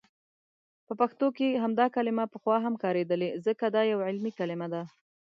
په پښتو کې همدا کلمه پخوا هم کاریدلي، ځکه دا یو علمي کلمه ده.